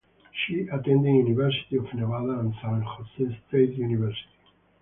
She attended University of Nevada and San Jose State University.